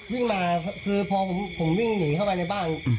วิ่งมาคือพอผมวิ่งหนีเข้าไปในบ้าน